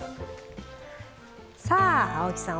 さあ青木さん